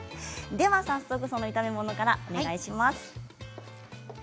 早速、炒め物からお願いします。